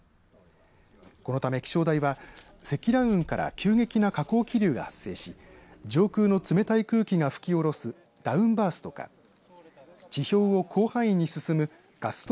このため気象台は積乱雲から急激な下降気流が発生し上空の冷たい空気が吹き下ろすダウンバーストか地表を広範囲に進むガスト